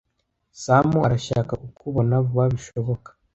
Sam arashaka kukubona vuba bishoboka.